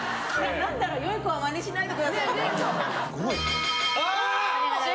何だろう、良い子はまねしないでくださいだね。